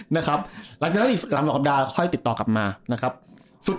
หลังจากนี้หลังสองกัปดาห์ค่อยติดต่อกลับมานะครับสุด